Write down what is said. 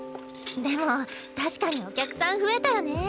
でも確かにお客さん増えたよね。